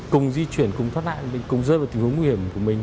cùng di chuyển cùng thoát nạn mình cùng rơi vào tình huống nguy hiểm của mình